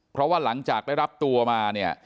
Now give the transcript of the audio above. เพราะว่าหลังจากได้รับตัวมาเนี่ย